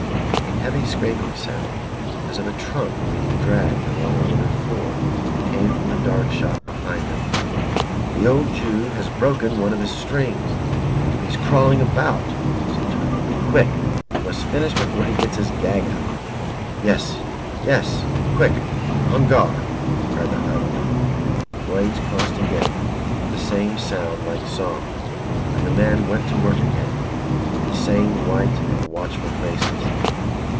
A heavy scraping sound, as of a trunk being dragged along a littered floor, came from the dark shop behind them. "The old Jew has broken one of his strings, and he's crawling about," said Turnbull. "Be quick! We must finish before he gets his gag out." "Yes, yes, quick! On guard!" cried the Highlander. The blades crossed again with the same sound like song, and the men went to work again with the same white and watchful faces.